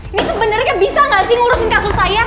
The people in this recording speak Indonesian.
ini sebenarnya bisa nggak sih ngurusin kasus saya